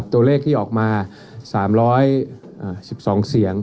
ตัวเลขที่ออกมา๓๑๒เสียง